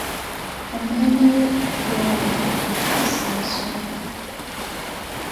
Omwana w’e Gomba afuuse ensonga.